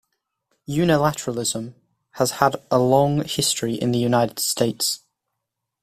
Unilateralism has had a long history in the United States.